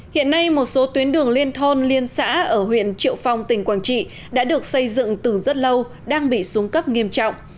hiện nay một số tuyến đường liên thôn liên xã ở huyện triệu phong tỉnh quảng trị đã được xây dựng từ rất lâu đang bị xuống cấp nghiêm trọng